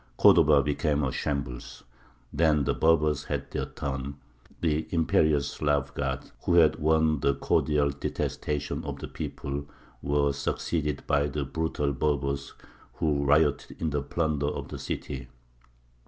Cordova became a shambles. Then the Berbers had their turn; the imperious Slav guards, who had won the cordial detestation of the people, were succeeded by the brutal Berbers, who rioted in the plunder of the city.